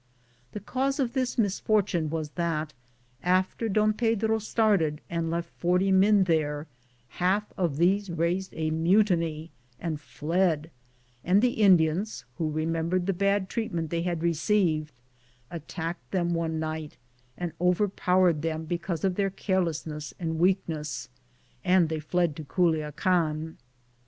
The cause of this mis fortune was that after Don Pedro started and left 40 men there, half of these raised a mu a ii, Google THE JOURNEY OP CORONADO tiny and fled, and the Indians, who remem bered the bad treatment they had received, attacked them one night and overpowered them because of their carelessness and weak ness, and they fled to Culiacan.